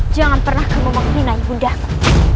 jangan pernah kamu memakminai bundaku